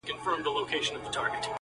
زه دې د سندرو په الله مئين يم~